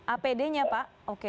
apd nya pak oke